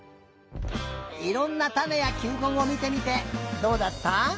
いろんなたねやきゅうこんをみてみてどうだった？